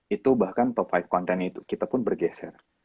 itu bahkan top lima kontennya itu kita pun bergeser